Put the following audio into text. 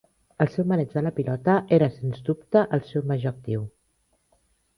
El seu maneig de la pilota era sens dubte el seu major actiu.